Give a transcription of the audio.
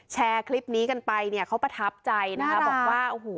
แชร์คลิปนี้กันไปเนี่ยเขาประทับใจนะคะบอกว่าโอ้โห